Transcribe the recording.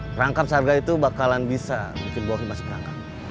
perangkap seharga itu bakalan bisa bikin bohem masih berangkap